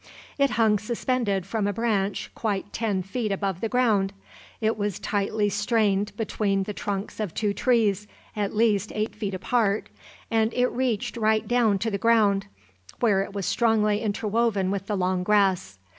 It hung suspended from a branch quite ten feet above the ground, it was tightly strained between the trunks of two trees at least eight feet apart, and it reached right down to the ground, where it was strongly interwoven with the long grass.